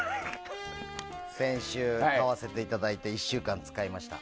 先週、買わせていただいて１週間使いました。